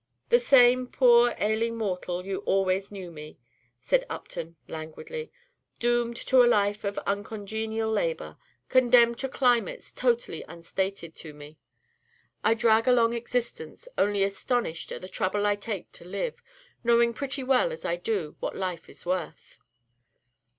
"The same poor ailing mortal you always knew me," said Upton, languidly; "doomed to a life of uncongenial labor, condemned to climates totally unstated to me, I drag along existence, only astonished at the trouble I take to live, knowing pretty well as I do what life is worth."